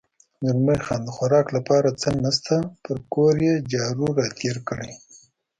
زلمی خان: د خوراک لپاره څه نشته، پر کور یې جارو را تېر کړی.